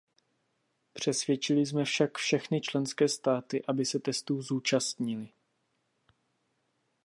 Přesvědčili jsme však všechny členské státy, aby se testů zúčastnily.